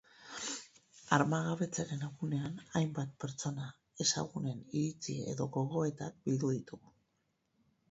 Armagabetzearen egunean, hainbat pertsona ezagunen iritzi edo gogoetak bildu ditugu.